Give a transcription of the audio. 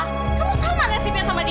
kamu sama nasibnya sama dia